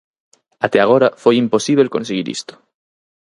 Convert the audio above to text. Até agora foi imposíbel conseguir isto.